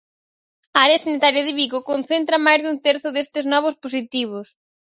A área sanitaria de Vigo concentra máis dun terzo destes novos positivos.